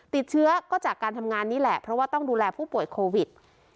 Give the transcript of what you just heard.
ติดเชื้อก็จากการทำงานนี่แหละเพราะว่าต้องดูแลผู้ป่วยโควิด